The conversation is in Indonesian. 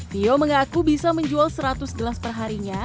tio mengaku bisa menjual seratus gelas perharinya